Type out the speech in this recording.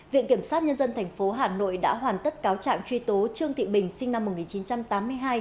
viện kiểm sát nhân dân tp hà nội đã hoàn tất cáo trạng truy tố trương thị bình sinh năm một nghìn chín trăm tám mươi hai